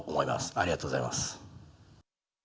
ありがとうございます。